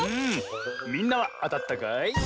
みんなはあたったかい？